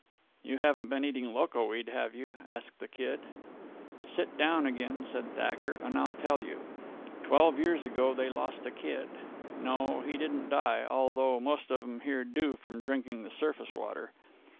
"You haven't been eating loco weed, have you?" asked the Kid. "Sit down again," said Thacker, "and I'll tell you. Twelve years ago they lost a kid. No, he didn't die although most of 'em here do from drinking the surface water.